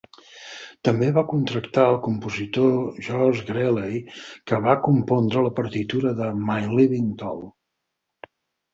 També va contractar el compositor George Greeley que va compondre la partitura de "My Living Doll".